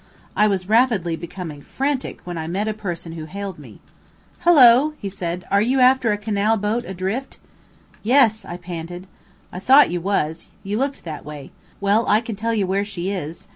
I was rapidly becoming frantic when I met a person who hailed me. "Hello!" he said, "are you after a canal boat adrift?" "Yes," I panted. "I thought you was," he said. "You looked that way. Well, I can tell you where she is.